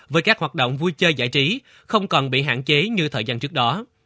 với các hoạt động vui chơi giải trí không còn bị hạn chế như thời gian trước đó